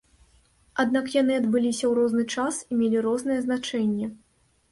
Аднак яны адбыліся ў розны час і мелі рознае значэнне.